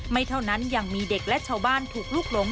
ไม่เท่านั้นยังมีเด็กและชาวบ้านถูกลุกหลง